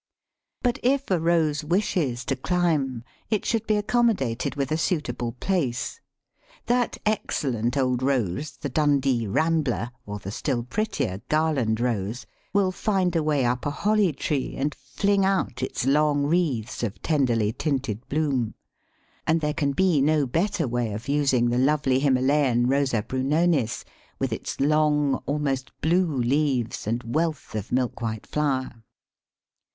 But if a Rose wishes to climb, it should be accommodated with a suitable place. That excellent old Rose, the Dundee Rambler, or the still prettier Garland Rose, will find a way up a Holly tree, and fling out its long wreaths of tenderly tinted bloom; and there can be no better way of using the lovely Himalayan R. Brunonis, with its long, almost blue leaves and wealth of milk white flower.